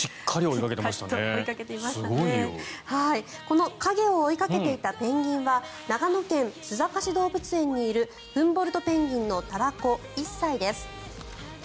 この影を追いかけていたペンギンは長野県・須坂市動物園にいるフンボルトペンギンのタラコ、１歳です。